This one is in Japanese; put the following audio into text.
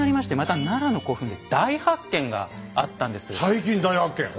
最近大発見。